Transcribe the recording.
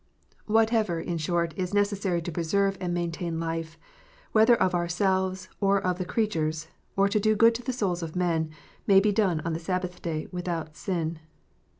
Whatever, in short, is necessary to preserve and maintain life, whether of ourselves, or of the creatures, or to do good to the souls of men, may be done on the Sabbath Day without sin.